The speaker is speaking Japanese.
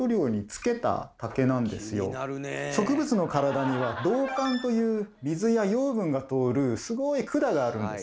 植物の体には「道管」という水や養分が通るすごい管があるんです。